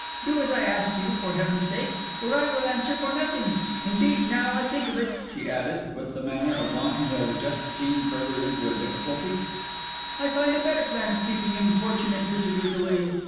Do as I ask you, for Heaven's sake, or I will answer for nothing. Indeed, now I think of it," she added, with the manner of one who has just seen further into a difficulty, "I find a better plan of keeping importunate visitors away.